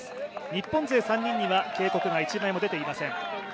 日本勢３人には警告が１枚も出ていません。